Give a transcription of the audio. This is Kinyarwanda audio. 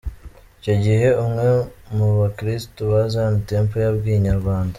Icyo gihe umwe mu bakristo ba Zion Temple yabwiye Inyarwanda.